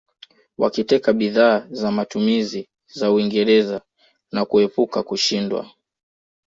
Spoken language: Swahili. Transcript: Wakiteka bidhaa za matumizi za Uingereza na kuepuka kushindwa